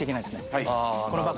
はい。